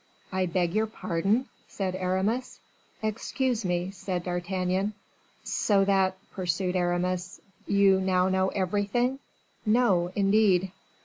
"I beg your pardon," said Aramis. "Excuse me," said D'Artagnan. "So that," pursued Aramis, "you now know everything?" "No, indeed."